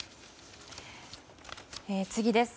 次です。